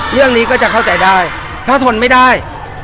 เรื่องนี้ก็จะเข้าใจได้ถ้าทนไม่ได้